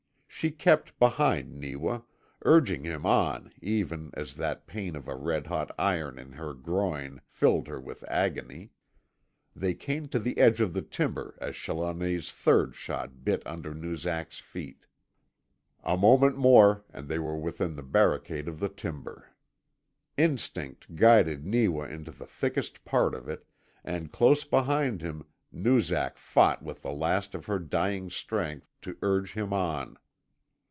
She kept behind Neewa, urging him on even as that pain of a red hot iron in her groin filled her with agony. They came to the edge of the timber as Challoner's third shot bit under Noozak's feet. A moment more and they were within the barricade of the timber. Instinct guided Neewa into the thickest part of it, and close behind him Noozak fought with the last of her dying strength to urge him on.